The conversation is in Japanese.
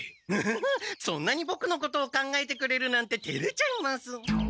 アハハそんなにボクのことを考えてくれるなんててれちゃいます。